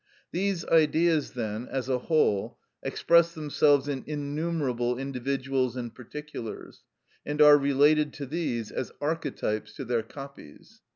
These Ideas, then, as a whole express themselves in innumerable individuals and particulars, and are related to these as archetypes to their copies.